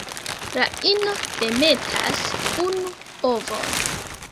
La ino demetas unu ovon.